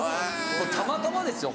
たまたまですよ